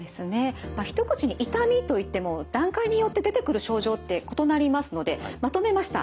一口に「痛み」と言っても段階によって出てくる症状って異なりますのでまとめました。